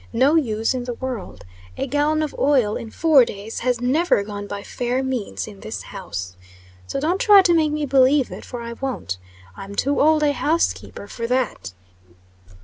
"No use in the world. A gallon of oil in four days has never gone by fair means in this house. So don't try to make me believe it for I won't. I'm too old a housekeeper for that."